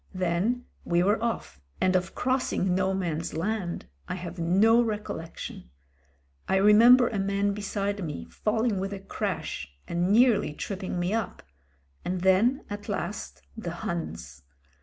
Then we were off, and of crossing No Man's Land I have no recollection. I remember a man beside me THE DEATH GRIP 191 falling with a crash and nearly tripping me up— and then, at last, the Huns.